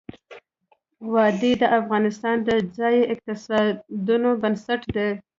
وادي د افغانستان د ځایي اقتصادونو بنسټ دی.